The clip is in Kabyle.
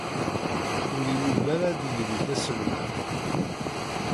Ur iwulem ara ad yili d aselmad.